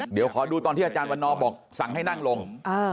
เดี๋ยวขอดูตอนที่อาจารย์วันนอบอกสั่งให้นั่งลง